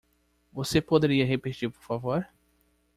Você poderia repetir por favor?